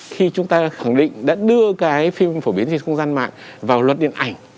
khi chúng ta khẳng định đã đưa cái phim phổ biến trên không gian mạng vào luật điện ảnh